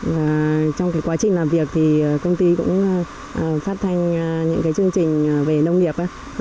và trong quá trình làm việc thì công ty cũng phát thanh những cái chương trình về nông nghiệp